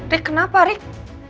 rik kenapa rik